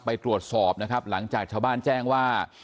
ไปตรวจสอบนะครับหลังจากชาวบ้านแจ้งว่า